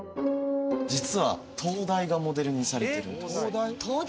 実は灯台がモデルにされてるんです灯台？